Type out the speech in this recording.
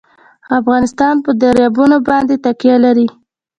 افغانستان په دریابونه باندې تکیه لري.